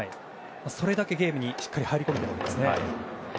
それだけゲームにしっかり入り込めていますね。